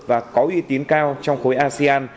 và có uy tín cao trong khối asean